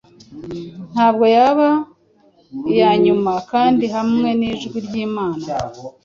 Ntabwo yaba iyanyuma, kandi hamwe nijwi ryimana